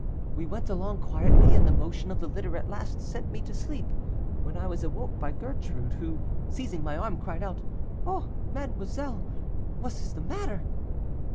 We went along quietly, and the motion of the litter at last sent me to sleep, when I was awoke by Gertrude, who, seizing my arm, cried out, 'Oh, mademoiselle, was is the matter?